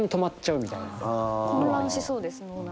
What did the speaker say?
混乱しそうです脳内。